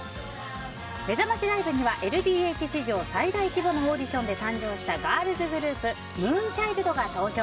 めざましライブにはＬＤＨ史上最大規模のオーディションで誕生したガールズグループＭＯＯＮＣＨＩＬＤが登場。